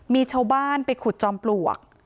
มีชาวบ้านไปขุดจอมปลวก